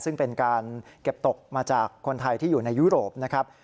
ซึ่งเป็นการเก็บตกมาจากคนไทยที่อยู่ในยุโรปนะครับ